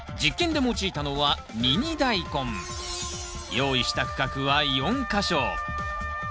用意した区画は４か所。